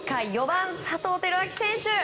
４番、佐藤輝明選手。